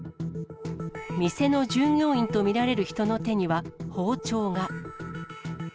店の従業員と見られる人の手には、包丁が。